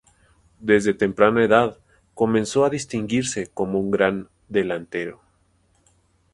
Desde temprana edad comenzó a distinguirse como un gran delantero.